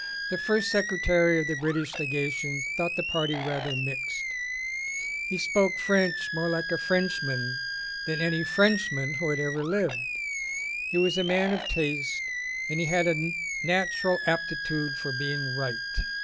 The first secretary of the British Legation thought the party rather mixed. He spoke French more like a Frenchman than any French man who ever lived. He was a man of taste, and he had a natural aptitude for being right.